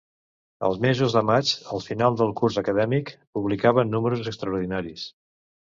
Els mesos de maig, al final del curs acadèmic, publicaven números extraordinaris.